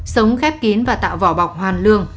sống khép kín và tạo vỏ bọc hoàn lương